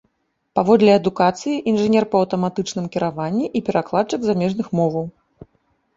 Паводле адукацыі інжынер па аўтаматычным кіраванні і перакладчык з замежных моваў.